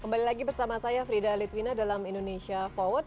kembali lagi bersama saya frida litwina dalam indonesia forward